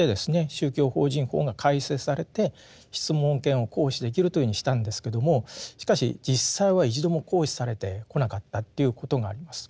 宗教法人法が改正されて質問権を行使できるというふうにしたんですけどもしかし実際は一度も行使されてこなかったということがあります。